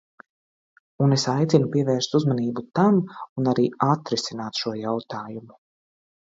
Un es aicinu pievērst uzmanību tam un arī atrisināt šo jautājumu.